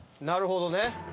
なるほどね。